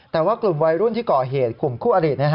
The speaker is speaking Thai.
แต่ว่ากลุ่มวัยรุ่นที่ก่อเหตุกลุ่มคู่อริ